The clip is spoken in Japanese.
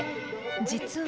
実は。